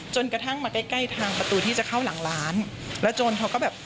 จนกระทั่งมาใกล้ใกล้ทางประตูที่จะเข้าหลังร้านแล้วโจรเขาก็แบบ